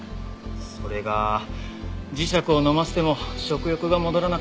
それが磁石を飲ませても食欲が戻らなくて。